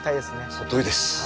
そのとおりです。